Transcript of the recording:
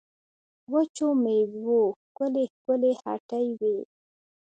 وچو مېوو ښکلې ښکلې هټۍ وې.